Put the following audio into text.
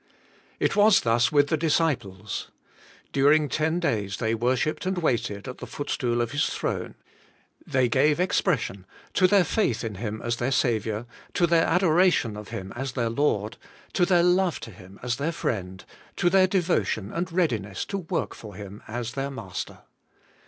It was thus with the disciples. During ten days they worshipped and waited at the footstool of His throne. They gave expression to their faith in Him as their Saviour, to their adoration of Him as their AS YOUR STRENGTH. 209 Lord, to their love to Him as their Friend, to their deyotion and readiness to work for Him as their Mas ter.